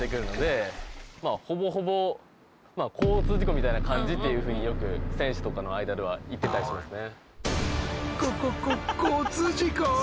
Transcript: みたいな感じっていうふうによく選手とかの間では言ってたりしますね。